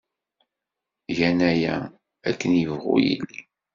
Gan aya, akken yebɣu yili.